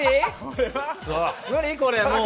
これもう。